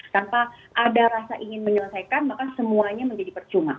tanpa ada rasa ingin menyelesaikan maka semuanya menjadi percuma